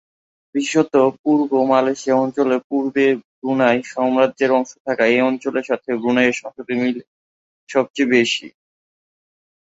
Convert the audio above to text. বিশেষত পূর্ব মালয়েশিয়া অঞ্চল পূর্বে ব্রুনাই সাম্রাজ্যের অংশ থাকায়, এই অঞ্চলের সাথে ব্রুনাই এর সাংস্কৃতিক মিল সবচেয়ে বেশি।